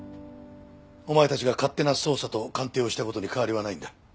お前たちが勝手な捜査と鑑定をした事に変わりはないんだ。